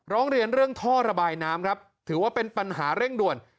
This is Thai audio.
ร้องเรียนเรื่องท่อระบายน้ำครับถือว่าเป็นปัญหาเร่งด่วน